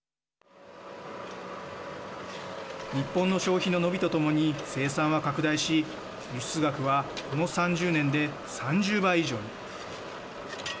日本の消費の伸びとともに生産は拡大し輸出額はこの３０年で３０倍以上に。